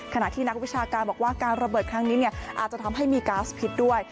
ขณะที่นักวิชาการบอกว่าการระเบิดครั้งนี้อาจจะทำให้มีก๊าซพิษด้วย